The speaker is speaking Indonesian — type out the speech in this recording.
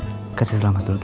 terima kasih selamat dulu